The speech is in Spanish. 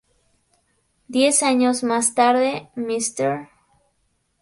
Diez años más tarde, Mr.